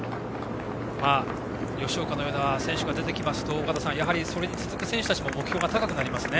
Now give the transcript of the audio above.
吉岡のような選手が出てきますと尾方さん、それに続く選手たちも目標が高くなりますね。